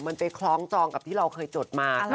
มันไปคล้องจองกับที่เราเคยจดมา